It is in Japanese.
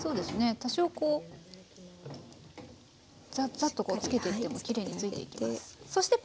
多少こうざっざっとこうつけていってもきれいに付いていきます。